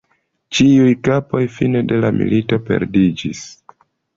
Ĉiuj kapoj fine de la milito perdiĝis.